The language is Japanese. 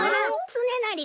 つねなり！